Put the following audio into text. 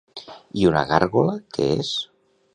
I una gàrgola què és?